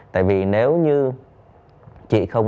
tại vì nếu như chị không